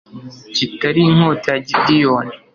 kitari inkota ya gideyoni